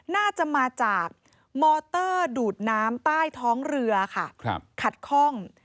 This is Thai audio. น่าจะมาจากมอเตอร์ดูดน้ำใต้ท้องเรือค่ะขัดคล่อง